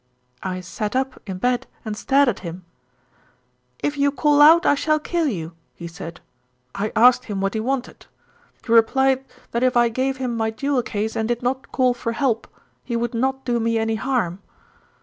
I sat up in bed and stared at him. 'If you call out I shall kill you,' he said. I asked him what he wanted. He replied that if I gave him my jewel case and did not call for help, he would not do me any harm.